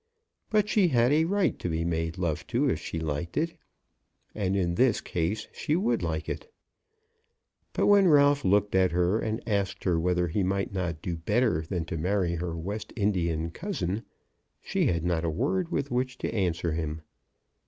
But she had a right to be made love to if she liked it; and in this case she would like it. But when Ralph looked at her, and asked her whether he might not do better than marry her West Indian cousin, she had not a word with which to answer him.